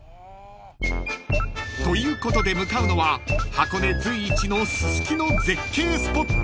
［ということで向かうのは箱根随一のススキの絶景スポット］